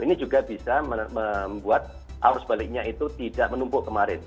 ini juga bisa membuat arus baliknya itu tidak menumpuk kemarin